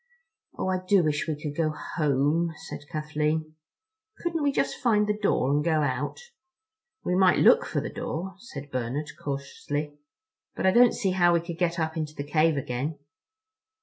"Oh, I do wish we could go home," said Kathleen. "Couldn't we just find the door and go out?" "We might look for the door," said Bernard cautiously, "but I don't see how we could get up into the cave again."